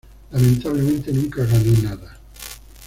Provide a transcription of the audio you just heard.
Lamentablemente nunca ganó nada.